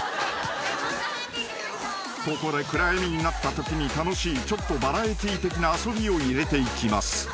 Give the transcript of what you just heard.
［ここで暗闇になったときに楽しいちょっとバラエティー的な遊びを入れていきます］